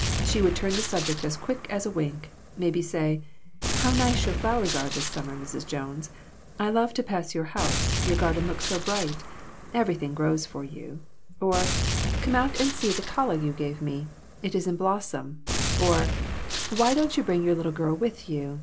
She would turn the subject as quick as a wink, maybe say 'How nice your flowers are this summer, Mrs. Jones. I love to pass your house, your garden looks so bright. Everything grows for you'; or, 'Come 1 82 PERSECUTION OF THE SAINTS. out and see the calla you gave me. It is in blossom'; or, 'Why didn't you bring your little girl with you?